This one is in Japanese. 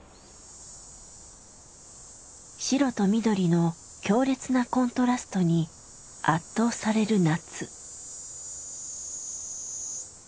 白と緑の強烈なコントラストに圧倒される夏。